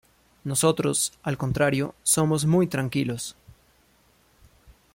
Nosotros, al contrario, somos muy tranquilos.